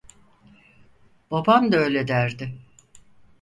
Babam da öyle derdi.